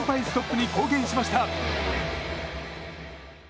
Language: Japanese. ストップに貢献しました。